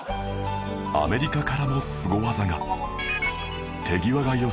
アメリカからもスゴ技が